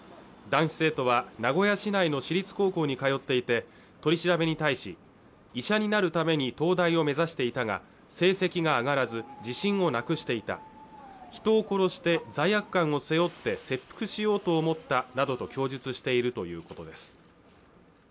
男子生徒は名古屋市内の私立高校に通っていて取り調べに対し医者になるために東大を目指していたが成績が上がらず自信をなくしていた人を殺して罪悪感を背負って切腹しようと思ったなどと供述しているということです